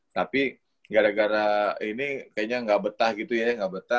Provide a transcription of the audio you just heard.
tapi gara gara ini kayaknya nggak betah gitu ya betah